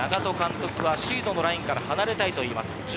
長門監督はシードのラインから離れたいと言います。